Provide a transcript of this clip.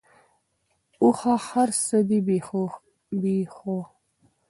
اوښه ! هرڅه دی بی هوښه .